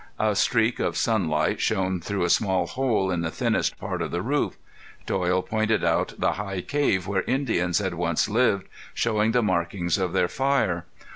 A streak of sunlight shone through a small hole in the thinnest part of the roof. Doyle pointed out the high cave where Indians had once lived, showing the markings of their fire.